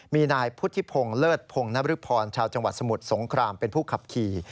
มีนายพุทธิพงศ์เลิศพงนบริพรชาวจังหวัดสมุทรสงครามเป็นผู้ขับขี่